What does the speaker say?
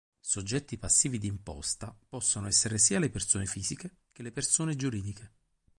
Soggetti passivi d’imposta possono essere sia le persone fisiche che le persone giuridiche.